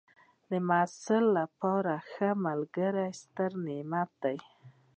د محصل لپاره ښه ملګری ستر نعمت دی.